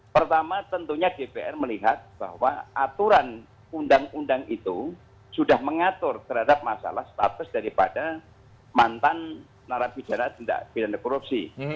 pertama tentunya dpr melihat bahwa aturan undang undang itu sudah mengatur terhadap masalah status daripada mantan narapidana tindak pidana korupsi